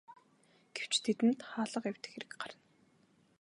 Гэвч тэдэнд хаалга эвдэх хэрэг гарна.